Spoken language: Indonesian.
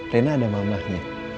reina ada mamanya